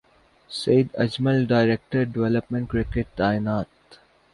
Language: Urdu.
سعید اجمل ڈائریکٹر ڈویلپمنٹ کرکٹ تعینات